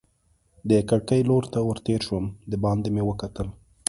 د کړکۍ لور ته ور تېر شوم، دباندې مې وکتل.